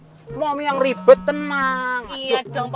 almor setinggi humility ya kan